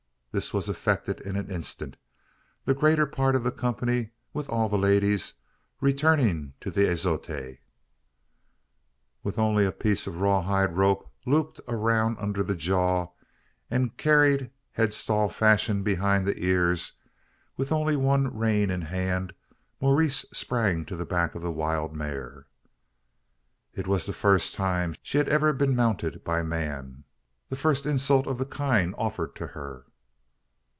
This was effected in an instant the greater part of the company with all the ladies returning to the azotea. With only a piece of raw hide rope looped around the under jaw, and carried headstall fashion behind the ears with only one rein in hand Maurice sprang to the back of the wild mare. It was the first time she had ever been mounted by man the first insult of the kind offered to her.